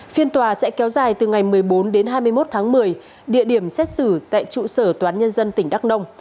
phiên tòa sẽ kéo dài từ ngày một mươi bốn đến hai mươi một tháng một mươi địa điểm xét xử tại trụ sở tòa án nhân dân tỉnh đắk nông